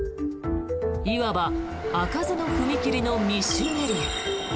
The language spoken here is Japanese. いわば開かずの踏切の密集エリア。